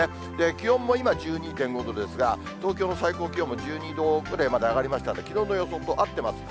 気温も今、１２．５度ですが、東京の最高気温も１２度ぐらいまで上がりましたんで、きのうの予想と合ってます。